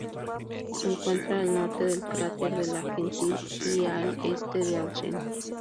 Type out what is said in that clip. Se encuentra al norte del cráter Le Gentil y al este de Hausen.